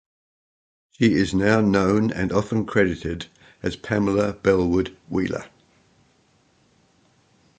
She is now known and often credited as Pamela Bellwood-Wheeler.